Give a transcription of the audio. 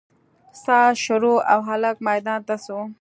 ساز شروع او هلک ميدان ته سو.